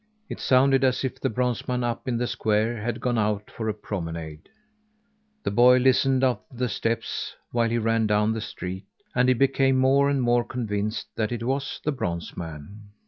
It sounded as if the bronze man up in the square had gone out for a promenade. The boy listened after the steps, while he ran down the street, and he became more and more convinced that it was the bronze man.